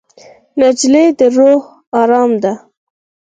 نجلۍ د روح ارام ده.